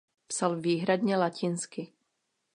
Psal výhradně latinsky.